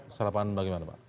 kesalahpahaman bagaimana pak